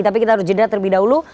tapi kita harus jeda terlebih dahulu